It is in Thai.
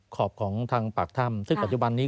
ขอบของทางปากถ้ำซึ่งปัจจุบันนี้